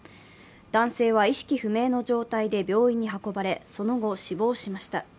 男性は意識不明の状態で病院に運ばれ、その後、死亡しました。